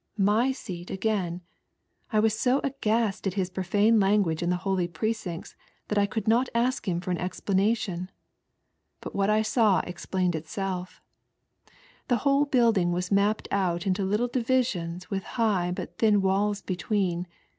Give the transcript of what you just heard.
"My seat again." I was BO aghast at his profane language in the holy precincts that I could not ask him for an explanation. But what I saw explained itself. The whole building was mapped out into little divisions with high but thin walls between.